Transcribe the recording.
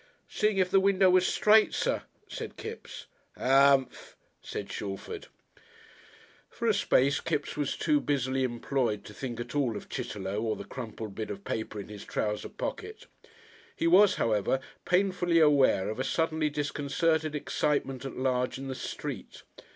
"Seein' if the window was straight, Sir," said Kipps. "Umph!" said Shalford. For a space Kipps was too busily employed to think at all of Chitterlow or the crumpled bit of paper in his trouser pocket. He was, however, painfully aware of a suddenly disconcerted excitement at large in the street.